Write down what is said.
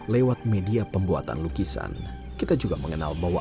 lewat media pembuatan lukisan kita juga mengenal bahwa